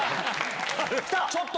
ちょっと！